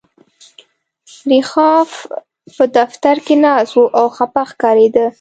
لیاخوف په دفتر کې ناست و او خپه ښکارېده